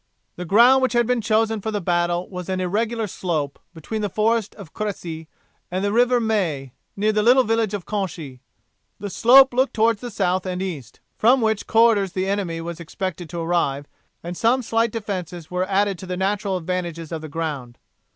The ground which had been chosen for the battle was an irregular slope between the forest of Cressy and the river Maie near the little village of Canchy. The slope looked towards the south and east, from which quarters the enemy was expected to arrive, and some slight defences were added to the natural advantages of the ground.